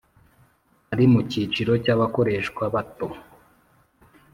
Ari mu cyiciro cy abasoreshwa bato